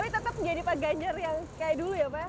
tapi tetap menjadi pak ganjar yang kayak dulu ya pak